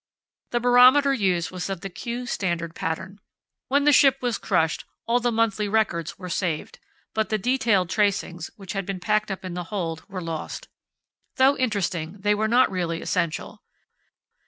The barometer used was of the Kew Standard pattern. When the ship was crushed, all the monthly records were saved, but the detailed tracings, which had been packed up in the hold, were lost. Though interesting they were not really essential.